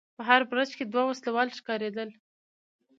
په هر برج کې دوه وسلوال ښکارېدل.